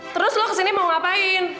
terus lo kesini mau ngapain